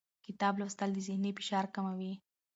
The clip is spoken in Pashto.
کتاب لوستل د ذهني فشار کموي